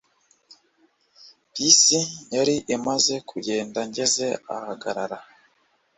Bisi yari imaze kugenda ngeze ahagarara